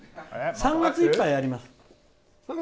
３月いっぱいはやります。